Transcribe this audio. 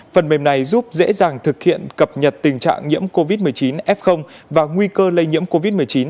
phần mềm này giúp dễ dàng thực hiện cập nhật tình trạng nhiễm covid một mươi chín f và nguy cơ lây nhiễm covid một mươi chín